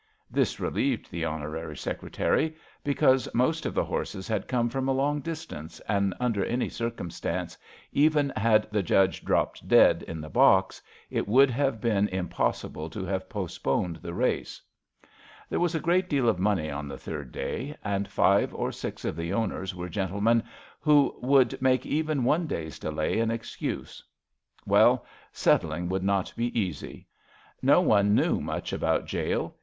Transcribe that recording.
This relieved the Honorary Secretary, because most of the horses had come from a long distance, and, under any circumstance, even had the Judge dropped dead in the box, it would have been im '' SLEIPNER/' LATE ^^THUEINDA '' 131 possible to have postponed the racing. There was a great deal of money on the third day, and five or six of the owners were gentlemen who would make even one day^s delay an excuse. Well, settling would not be easy. No one knew much about Jale.